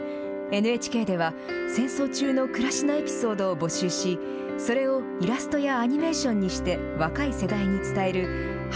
ＮＨＫでは、戦争中の暮らしのエピソードを募集し、それをイラストやアニメーションにして、若い世代に伝える＃